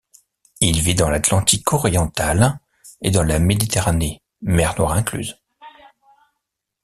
Il vit dans l'Atlantique oriental et dans la Méditerranée, mer Noire incluse.